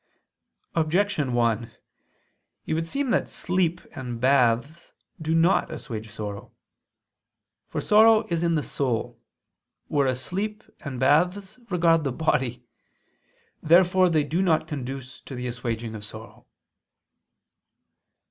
Objection 1: It would seem that sleep and baths do not assuage sorrow. For sorrow is in the soul: whereas sleep and baths regard the body. Therefore they do not conduce to the assuaging of sorrow.